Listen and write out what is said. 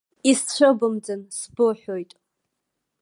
Исцәыбымӡан, сбыҳәоит!